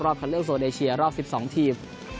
รอบทะเลือกโซเดเชียรอบ๑๒ทีม